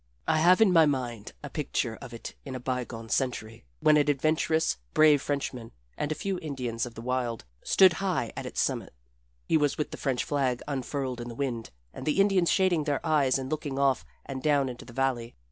I have in my mind a picture of it in a bygone century, when an adventurous, brave Frenchman and a few Indians of the wild stood high at its summit he with the French flag unfurled in the wind, and the Indians shading their eyes and looking off and down into the valley.